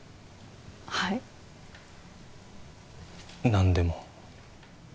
はい何でも？